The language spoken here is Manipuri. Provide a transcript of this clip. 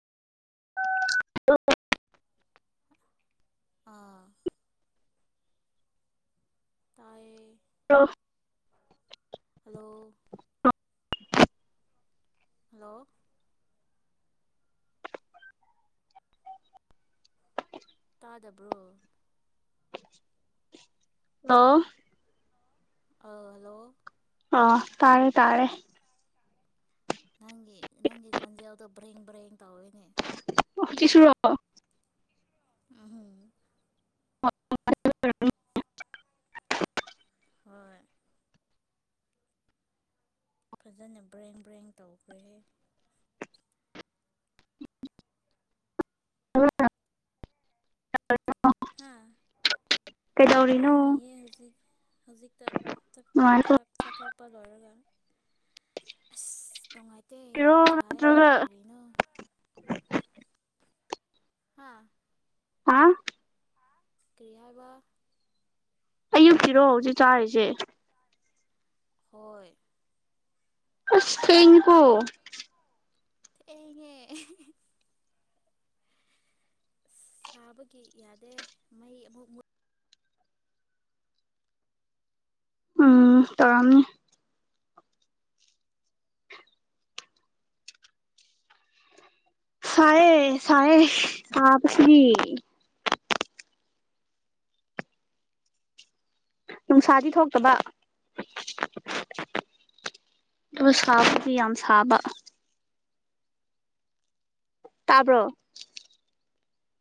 ꯑ ꯇꯥꯏꯌꯦ ꯍꯜꯂꯣ ꯑꯗꯣ ꯍꯜꯂꯣ ꯇꯥꯗꯕ꯭ꯔꯣ ꯍꯂꯣ ꯑꯥ ꯍꯜꯂꯣ ꯑ ꯇꯥꯔꯦ ꯇꯥꯔꯦ ꯅꯪꯒꯤ ꯅꯪ ꯈꯣꯟꯖ ꯌꯥꯎꯗꯣ ꯭ꯔ ꯭ꯔꯦꯡ ꯇꯧꯅꯦ ꯆꯤꯁꯨꯔꯣ ꯑꯣ [inaudible] ꯍꯣꯏ ꯐꯖꯅ ꯕ꯭ꯔꯦꯡ ꯕ꯭ꯔꯦꯡ ꯇꯧꯈ꯭ꯔꯦ ꯑ ꯍꯥ ꯀꯩꯗꯧꯔꯤꯅꯣ ꯐꯝꯃꯤꯌꯦ ꯍꯧꯖꯤꯛ ꯍꯧꯖꯤꯛꯇ ꯆꯊꯣꯛ ꯅꯨꯡꯉꯥꯏꯔꯣ ꯆꯄ ꯂꯣꯏꯔꯒ ꯑꯁ ꯅꯨꯡꯉꯥꯏ ꯇꯩ ꯑ ꯁꯥꯦ ꯅꯠꯇ꯭ꯔꯒ ꯈꯦꯂꯤꯅ ꯍꯥꯥ ꯑ ꯀꯔꯤꯌꯥ ꯋꯥ ꯑꯌꯨꯛꯛꯇꯤꯔꯣ ꯍꯧꯖꯤꯛ ꯆꯥꯔꯤꯁꯦ ꯍꯣꯏ ꯑꯁ ꯊꯦꯡꯀꯣ ꯑꯩꯉꯦ ꯁꯥꯕꯒꯤ ꯌꯥꯗꯦ ꯃꯩ ꯑꯃꯨꯛ ꯃꯨ ꯎꯝ ꯇꯔꯝ ꯁꯌꯦ ꯁꯌꯦ ꯍꯥꯄ ꯁꯤꯔꯤ ꯅꯨꯡꯁꯥꯗꯤ ꯊꯣꯛꯇꯕ ꯅꯨꯡꯁꯥꯕꯨꯗꯤ ꯌꯥꯝ ꯁꯥꯕ ꯇꯕꯣ